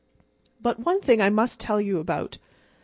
But one thing I must tell you about.